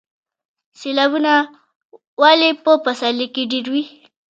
سیلابونه ولې په پسرلي کې ډیر وي؟